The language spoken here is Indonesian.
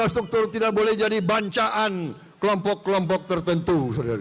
struktur tidak boleh jadi bancaan kelompok kelompok tertentu